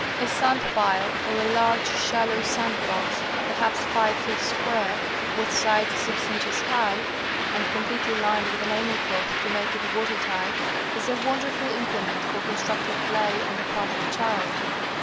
A sand pile, or a large, shallow sand box, perhaps five feet square, with sides six inches high, and completely lined with enamel cloth to make it watertight, is a wonderful implement for constructive play on the part of the child.